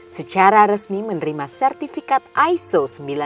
secara resmi menerima sertifikat iso sembilan ribu satu dua ribu lima belas